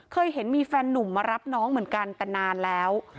เคยเห็นมีแฟนหนุ่มมารับน้องเหมือนกันแต่นานแล้ว